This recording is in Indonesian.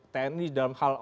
tni dalam hal